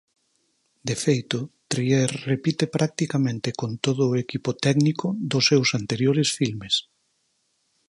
De feito, Trier repite practicamente con todo o equipo técnico dos seus anteriores filmes.